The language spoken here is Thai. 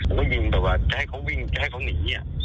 มันก็ยิงแบบว่าจะให้เขาวิ่งจะให้เขาหนี